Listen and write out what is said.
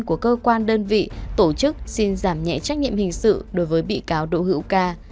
của cơ quan đơn vị tổ chức xin giảm nhẹ trách nhiệm hình sự đối với bị cáo đỗ hữu ca